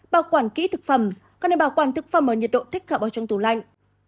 bảo quản kỹ thức phẩm còn nên bảo quản thức phẩm ở nhiệt độ thích hợp ở trong tủ lạnh